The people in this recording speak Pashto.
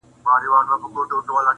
ځلېدونکي د بلوړ ټوټې لوېدلي -